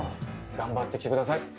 頑張ってきて下さい！